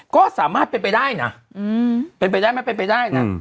ก็สามารถเป็นไปได้นะเป็นไปได้ไหมเป็นไปได้นะ